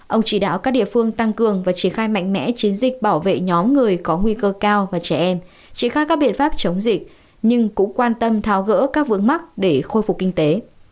ông chỉ đạo các địa phương tăng cường và triển khai mạnh mẽ chiến dịch bảo vệ nhóm người có nguy cơ cao và trẻ em triển khai các biện pháp chống dịch nhưng cũng quan tâm tháo gỡ các vướng mắc để khôi phục kinh tế